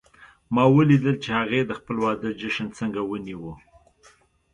ما ولیدل چې هغې د خپل واده جشن څنګه ونیو